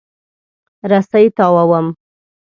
رسۍ تاووم.